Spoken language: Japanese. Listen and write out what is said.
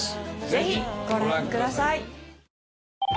ぜひご覧ください。